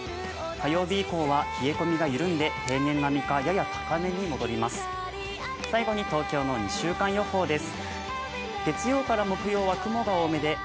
火曜日以降は冷え込みが緩んで平年並みかやや高めに戻ります。